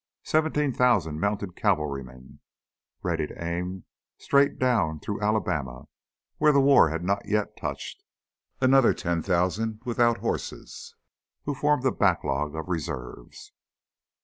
Seventeen thousand mounted cavalrymen, ready to aim straight down through Alabama where the war had not yet touched. Another ten thousand without horses, who formed a backlog of reserves.